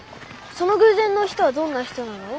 その偶然の人はどんな人なの？